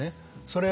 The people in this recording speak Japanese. それ